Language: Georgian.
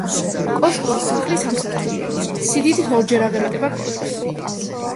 კოშკური სახლი სამსართულიანია, სიდიდით ორჯერ აღემატება კოშკს.